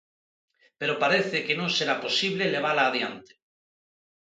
Pero parece que non será posible levala adiante.